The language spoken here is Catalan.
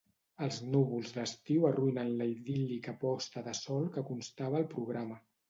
Els núvols d'estiu arruïnen la idíl·lica posta de sol que constava al programa.